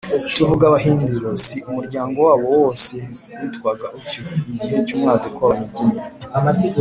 tuvuga abahindiro; si umuryango wabo wose witwaga utyo, igihe cy’umwaduko w’abanyiginya,